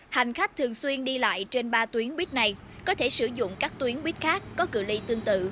hành khách thường xuyên đi lại trên ba tuyến buýt này có thể sử dụng các tuyến buýt khác có cửa ly tương tự